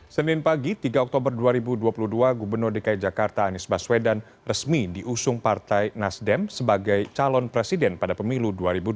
senin pagi tiga oktober dua ribu dua puluh dua gubernur dki jakarta anies baswedan resmi diusung partai nasdem sebagai calon presiden pada pemilu dua ribu dua puluh